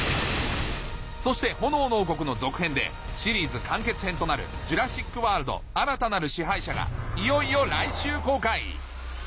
そして『炎の王国』の続編でシリーズ完結編となる『ジュラシック・ワールド新たなる支配者』がいよいよ来週公開！